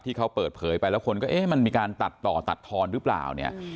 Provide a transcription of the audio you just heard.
ที่เขาเปิดเผยไปแล้วคนก็เอ๊ะมันมีการตัดต่อตัดทอนหรือเปล่าเนี่ย